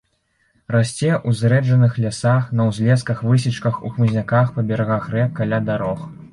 Расце ў зрэджаных лясах, на ўзлесках, высечках, у хмызняках, па берагах рэк, каля дарог.